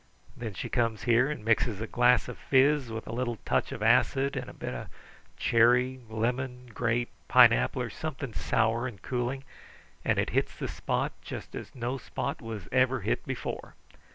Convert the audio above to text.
Then she comes here and mixes a glass of fizz with a little touch of acid, and a bit of cherry, lemon, grape, pineapple, or something sour and cooling, and it hits the spot just as no spot was ever hit before.